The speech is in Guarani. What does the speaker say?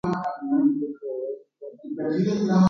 Tekovéniko mbyky